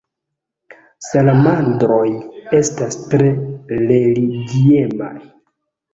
Salamandroj estas tre religiemaj.